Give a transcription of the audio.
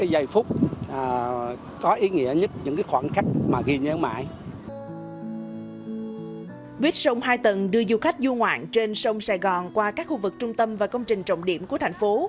buýt sông hai tầng đưa du khách du ngoạn trên sông sài gòn qua các khu vực trung tâm và công trình trọng điểm của thành phố